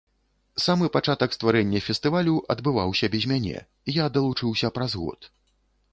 Самы пачатак стварэння фестывалю адбываўся без мяне, я далучыўся праз год.